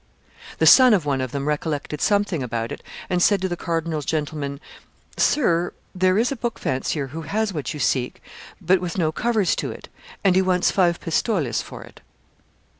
The son of one of them recollected something about it, and said to the cardinal's gentleman, 'Sir, there is a book fancier who has what you seek, but with no covers to it, and he wants five pistoles for it.